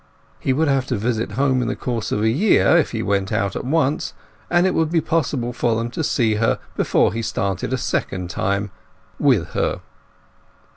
He would have to visit home in the course of a year, if he went out at once; and it would be possible for them to see her before he started a second time—with her.